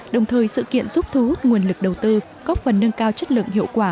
đồng thời sự kiện giúp thu hút nguồn lực đầu tư có phần nâng cao chất lượng hiệu quả